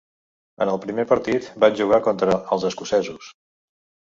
En el primer partit, van jugar contra "els escocesos".